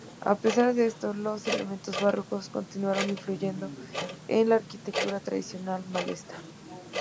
A pesar de esto, los elementos barrocos continuaron influyendo en la arquitectura tradicional maltesa.